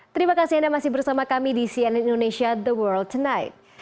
terima kasih anda masih bersama kami di cnn indonesia the world tonight